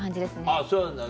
あっそうなんだ。